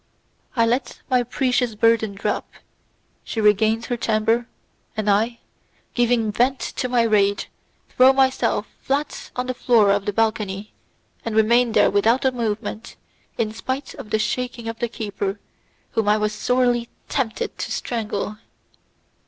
I let my precious burden drop; she regains her chamber, and I, giving vent to my rage, throw myself flat on the floor of the balcony, and remain there without a movement, in spite of the shaking of the keeper whom I was sorely tempted to strangle.